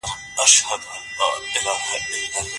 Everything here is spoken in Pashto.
تاسو د انار اوبو په څښلو بوخت یاست.